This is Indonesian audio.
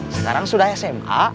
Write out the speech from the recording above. sekarang sudah sma